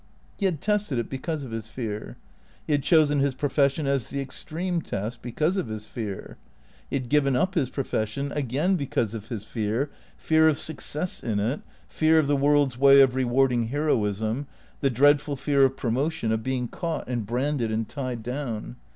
He had tested it because of his fear. He had chosen his pro fession as the extreme test, because of his fear. He had given up his profession, again because of his fear, fear of success in it, fear of the world's way of rewarding heroism, the dreadful fear of promotion, of being caught and branded and tied down.